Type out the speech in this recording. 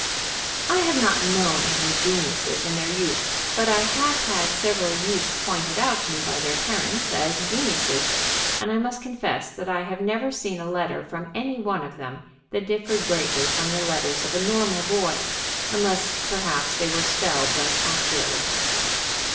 I have not known many geniuses in their youth, but I have had several youths pointed out to me by their parents as geniuses, and I must confess that I have never seen a letter from any one of them that differed greatly from the letters of a normal boy, unless perhaps they were spelled less accurately.